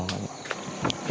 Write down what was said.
thì em cũng tò mò